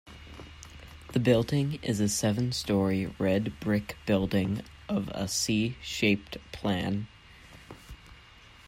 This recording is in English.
The building is a seven-storey red brick building of a C-shaped plan.